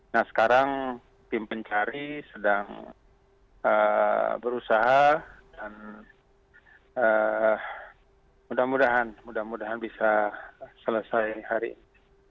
nah sekarang tim pencari sedang berusaha dan mudah mudahan mudah mudahan bisa selesai hari ini